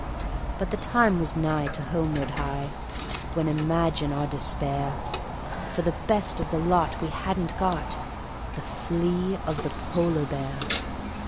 But the time was nigh to homeward hie, when, imagine our despair! For the best of the lot we hadn't got the flea of the polar bear.